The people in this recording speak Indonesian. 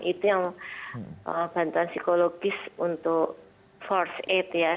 itu yang bantuan psikologis untuk force aid ya